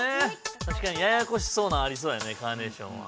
たしかにややこしそうなんありそうやねカーネーションは。